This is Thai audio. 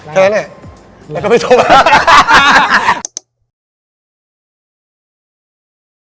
แล้วเนี่ยแล้วก็ไม่สมแล้ว